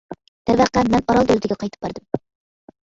دەرۋەقە، مەن ئارال دۆلىتىگە قايتىپ باردىم.